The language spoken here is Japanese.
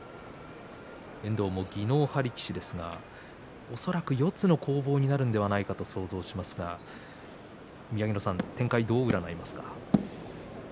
遠藤も技能派力士ですが恐らく四つの攻防になるのではないかと想像しますが宮城野さん、展開どう占いますか？